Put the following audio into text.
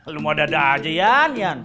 lu mau dada aja yan